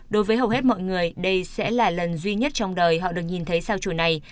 đối với hầu hết mọi người đây sẽ là lần duy nhất trong đời họ được nhìn thấy sao chủ này